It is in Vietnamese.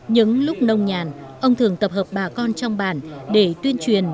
những lúc nông nhàn ông thường tập hợp bà con trong bản để tuyên truyền